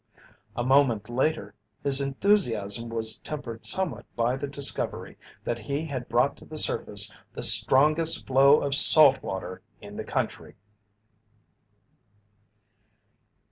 A moment later his enthusiasm was tempered somewhat by the discovery that he had brought to the surface the strongest flow of salt water in the country!